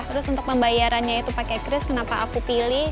terus untuk pembayarannya itu pakai kris kenapa aku pilih